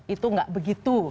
itu tidak begitu